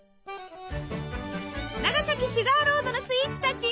長崎シュガーロードのスイーツたち！